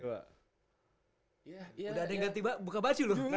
udah ada yang gak tiba buka baju loh